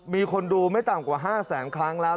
มีคนดูไม่ต่ำกว่า๕แสนครั้งแล้ว